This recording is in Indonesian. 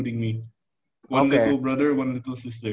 satu adik satu adik